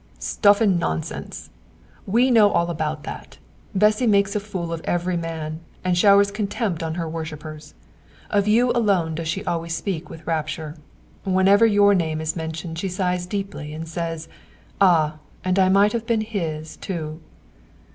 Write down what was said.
"Stuff and nonsense! We know all about that. Bessy makes a fool of every man, and showers contempt on her worshippers. Of you alone does she always speak with rapture. Whenever your name is mentioned she sighs deeply, and says, 'Ah, and I might have been his, too!'"